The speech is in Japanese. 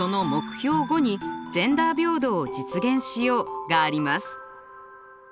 ５に「ジェンダー平等を実現しよう」があります。